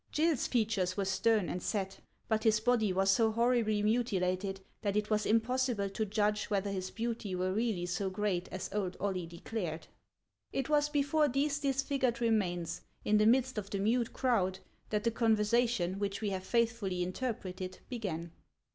Gill's fea tures were stern and set; but his body was so horribly mutilated that it was impossible to judge whether his beauty were really so great as old Oily declared. It was before these disfigured remains, in the midst of the mute crowd, that the conversation which we have faithfully interpreted, began.